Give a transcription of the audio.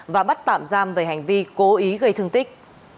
và bắt tạm giam về hành vi cố ý gây thương tích